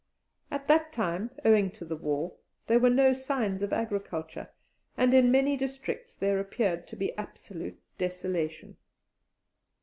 At that time, owing to the war, there were no signs of agriculture, and in many districts there appeared to be absolute desolation.